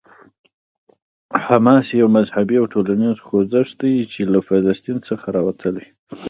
حماس یو مذهبي او ټولنیز خوځښت دی چې له فلسطین څخه راوتلی.